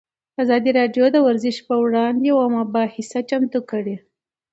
ازادي راډیو د ورزش پر وړاندې یوه مباحثه چمتو کړې.